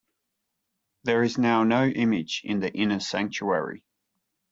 There is now no image in the inner sanctuary.